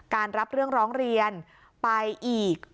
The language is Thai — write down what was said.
รับเรื่องร้องเรียนไปอีก